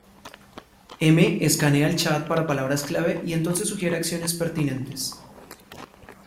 M "escanea" el chat para palabras clave y entonces sugiere acciones pertinentes.